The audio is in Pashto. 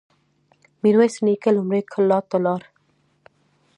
ميرويس نيکه لومړی کلات ته لاړ.